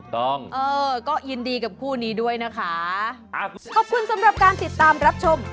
ถูกต้อง